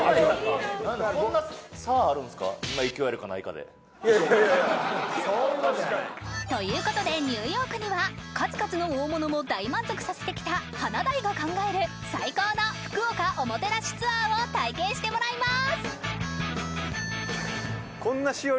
で僕らがもしということでニューヨークには数々の大物も大満足させてきた華大が考える最高の福岡おもてなしツアーを体験してもらいます！